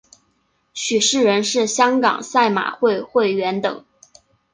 许仕仁是香港赛马会会员等。